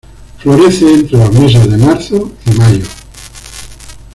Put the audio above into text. Florece entre los meses de marzo y mayo.